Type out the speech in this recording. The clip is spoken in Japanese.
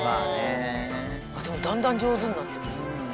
でもだんだん上手になってる。